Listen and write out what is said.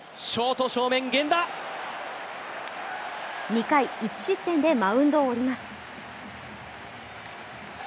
２回１失点でマウンドを降ります。